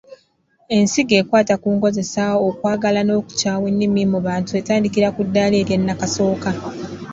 Ensigo ekwata ku nkozesa, okwagala n’okukyawa ennimi mu bantu etandikira ku ddaala erya nnakasooka.